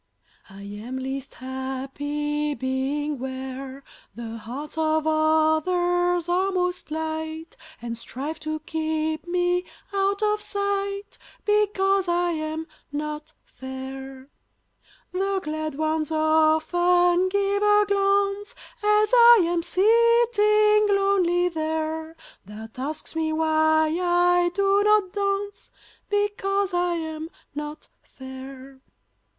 I am least happy being where The hearts of others are most light, And strive to keep me out of sight, Because I am not fair; The glad ones often give a glance, As I am sitting lonely there, That asks me why I do not dance Because I am not fair.